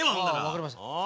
わかりました。